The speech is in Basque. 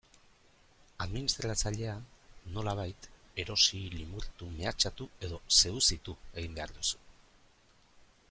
Administratzailea nolabait erosi, limurtu, mehatxatu edo seduzitu egin behar duzu.